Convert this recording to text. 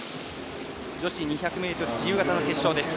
女子２００ｍ自由形の決勝です。